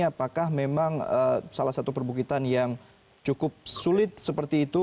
apakah memang salah satu perbukitan yang cukup sulit seperti itu